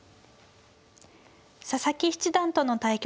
佐々木七段との対局